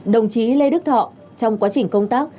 đồng chí lê đức thọ trong quá trình công tác